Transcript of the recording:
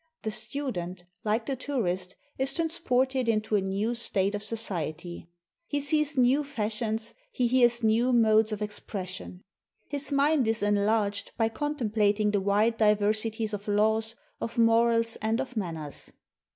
The student, like the tourist, is transported into a new state of society. He sees new fashions, he hears new modes of expression. His mind is enlarged by contemplating the wide diver sities of laws, of morals, and of manners."